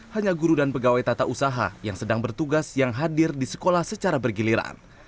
hanya guru dan pegawai tata usaha yang sedang bertugas yang hadir di sekolah secara bergiliran